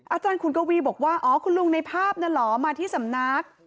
อาจารย์ขุนกวีบอกว่าอ๋อคุณลุงในภาพนั่นเหรอมาที่สำนัก